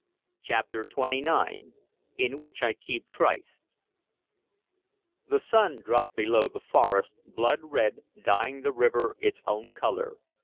CHAPTER XXIX IN WHICH I KEEP TRYST THE sun dropped below the forest, blood red, dyeing the river its own color.